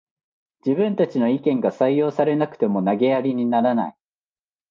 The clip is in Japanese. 自分たちの意見が採用されなくても投げやりにならない